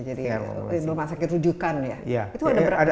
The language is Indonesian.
jadi rumah sakit rujukan ya